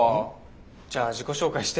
じゃあ自己紹介して。